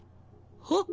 はっ？